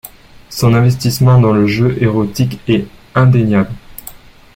Son investissement dans le jeu érotique est indéniable.